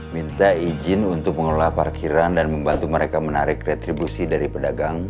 minta izin untuk mengelola parkiran dan membantu mereka menarik retribusi dari pedagang